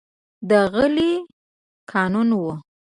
د غلې قانون و.